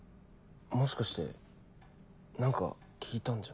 もしかして何か聞いたんじゃ。